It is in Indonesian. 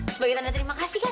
sebagai tanda terima kasih kan